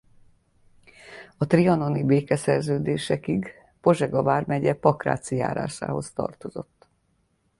A trianoni békeszerződésig Pozsega vármegye Pakráci járásához tartozott.